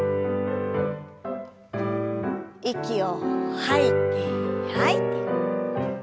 息を吐いて吐いて。